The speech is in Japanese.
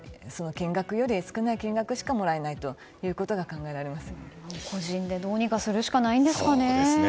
金額よりも少ない金額しかもらえないと個人でどうにかするしかないんですかね。